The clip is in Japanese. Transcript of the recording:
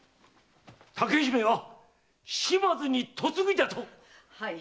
⁉竹姫は島津に嫁ぐじゃと⁉はい。